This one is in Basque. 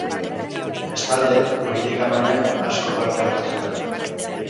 Bestalde, politika mailan asko parte hartu zuen.